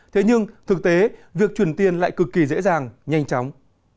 thế nhưng thực tế việc chuyển tiền lại cực kỳ dễ dàng nhanh chóng